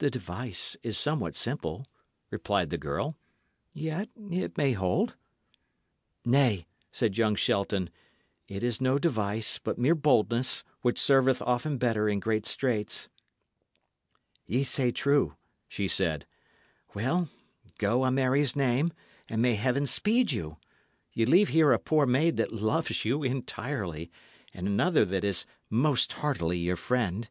"The device is somewhat simple," replied the girl, "yet it may hold." "Nay," said young Shelton, "it is no device, but mere boldness, which serveth often better in great straits." "Ye say true," she said. "Well, go, a Mary's name, and may Heaven speed you! Ye leave here a poor maid that loves you entirely, and another that is most heartily your friend.